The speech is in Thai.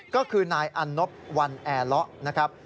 ก็คือนายอันนบวันแอร์เลาะนะครับ